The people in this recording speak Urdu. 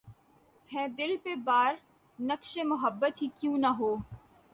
ہے دل پہ بار‘ نقشِ محبت ہی کیوں نہ ہو